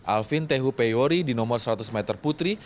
alvin tehu peyori di nomor seratus meter putri